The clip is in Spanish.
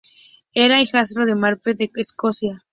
Era hijastro de Macbeth de Escocia.